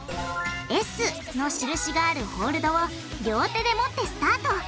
「Ｓ」の印があるホールドを両手で持ってスタート。